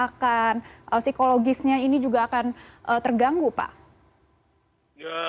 apakah psikologisnya ini juga akan terganggu pak